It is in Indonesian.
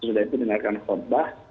setelah itu dengarkan khotbah